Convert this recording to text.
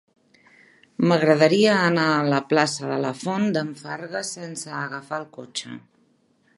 M'agradaria anar a la plaça de la Font d'en Fargues sense agafar el cotxe.